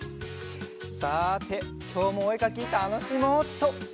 さてきょうもおえかきたのしもうっと！